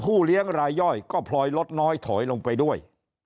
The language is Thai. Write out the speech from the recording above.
เลี้ยงรายย่อยก็พลอยลดน้อยถอยลงไปด้วย